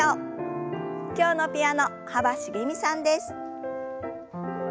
今日のピアノ幅しげみさんです。